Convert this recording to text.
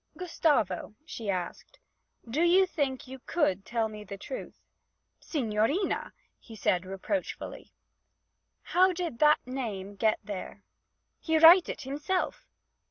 'Gustavo,' she asked, 'do you think that you could tell me the truth?' 'Signorina!' he said reproachfully. 'How did that name get there?' 'He write it heemself!'